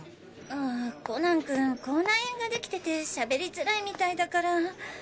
あっコナン君口内炎ができててしゃべりづらいみたいだから。